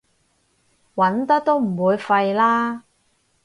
揾得都唔會廢啦